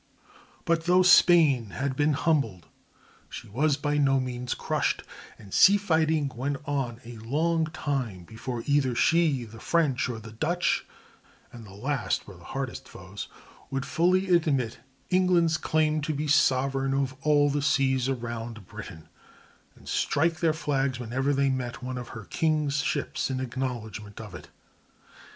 But though Spain had been humbled she was by no means crushed, and sea fighting went on a long time before either she, the French, or the Dutch—and the last were the hardest foes—would fully admit England's claim to be sovereign of all the seas around Britain, and strike their flags whenever they met one of her "king's ships" in acknowledgment of it.